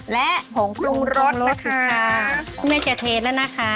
แล้วผงกรุงรสนะคะพุ่งแม่จะเทแล้วนะคะ